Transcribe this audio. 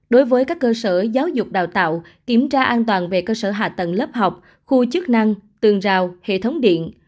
đối với các cơ sở giáo dục đào tạo kiểm tra an toàn về cơ sở hạ tầng lớp học khu chức năng tường rào hệ thống điện